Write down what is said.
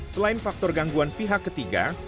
selain faktor gangguan pihak ketiga